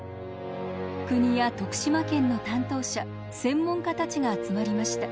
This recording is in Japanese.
国や徳島県の担当者専門家たちが集まりました。